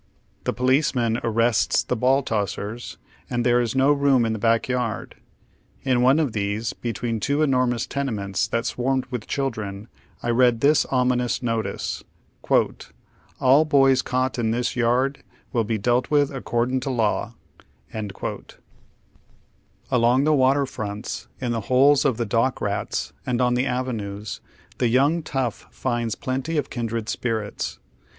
The policeman arrests the ball tossers, and there is no room in the back yard. In one of these, between two enormous tenements that swarmed with chil dren, I read this ominous notice: "All hoya caught in this yard will he delt with acoorden to law" Along the water fronta, in the holes of the dock rats, and on the avenues, the young tough finds plenty of kin dred spirits.